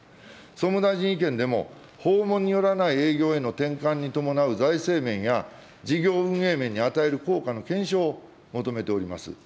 総務大臣意見でも、訪問によらない営業への転換に伴う財政面や事業運営面に与える効果の検証を求めております。